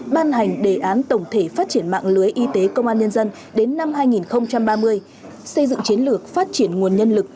ban hành đề án tổng thể phát triển mạng lưới y tế công an nhân dân đến năm hai nghìn ba mươi xây dựng chiến lược phát triển nguồn nhân lực